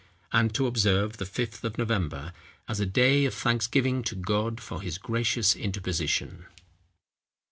and to observe the Fifth of November as a day of thanksgiving to God for his gracious interposition.